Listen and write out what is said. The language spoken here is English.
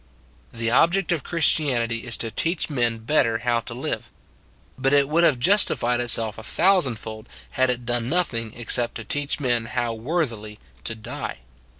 The object of Christianity is to teach men better how to live; but it would have justified itself a thousand fold had it done nothing except to teach men how worthily to die.